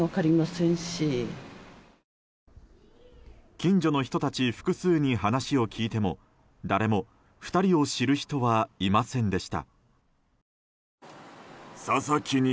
近所の人たち複数に話を聞いても誰も２人を知る人はいませんでした。